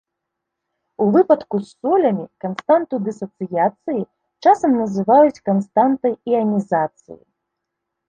У выпадку з солямі, канстанту дысацыяцыі часам называюць канстантай іанізацыі.